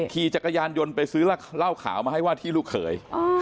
ขี่จักรยานยนต์ไปซื้อเหล้าขาวมาให้ว่าที่ลูกเขย